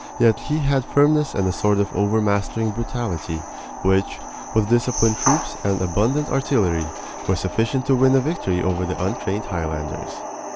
Yet he had firmness and a sort of overmastering brutality, which, with disciplined troops and abundant artillery, were sufficient to win a victory over the untrained Highlanders.